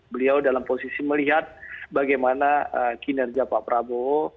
beliau dalam posisi melihat bagaimana kinerja pak prabowo